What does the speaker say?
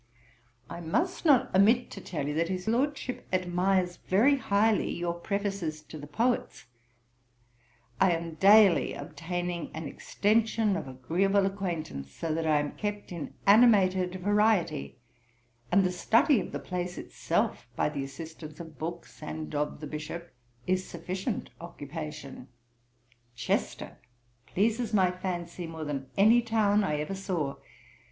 I must not omit to tell you, that his Lordship admires, very highly, your Prefaces to the Poets. I am daily obtaining an extension of agreeable acquaintance, so that I am kept in animated variety; and the study of the place itself, by the assistance of books, and of the Bishop, is sufficient occupation. Chester pleases my fancy more than any town I ever saw.